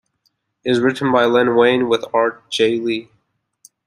It is written by Len Wein, with art by Jae Lee.